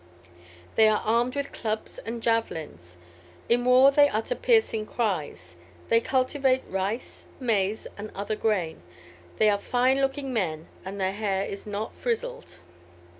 They are armed with clubs and javelins; in war they utter piercing cries. They cultivate rice, maize, and other grain. They are fine looking men, and their hair is not frizzled."